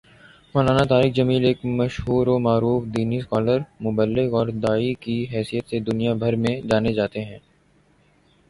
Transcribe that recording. مولانا طارق جمیل ایک مشہور و معروف دینی سکالر ، مبلغ اور داعی کی حیثیت سے دنیا بھر میں جانے جاتے ہیں